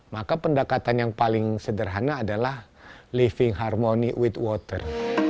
maka pendekatan yang paling sederhana adalah living harmony with water